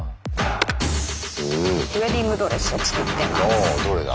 あどれだ？